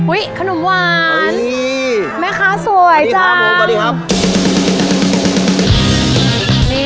อุ้ยขนมหวานอุ้ยแม่คะสวยจังสวัสดีครับสวัสดีครับ